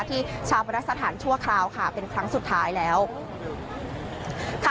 ที่ชาวประนักสถานชั่วคราวค่ะเป็นครั้งสุดท้ายแล้วค่ะ